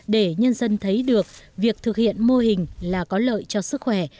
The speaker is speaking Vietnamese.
để nhân dân thấy được việc thực hiện mô hình là có lợi cho sức khỏe